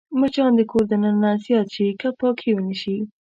مچان د کور دننه زیات شي که پاکي ونه شي